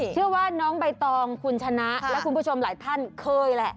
เชื่อว่าน้องใบตองคุณชนะและคุณผู้ชมหลายท่านเคยแหละ